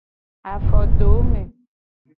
Afodome.